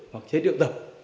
hoặc giấy trưởng tập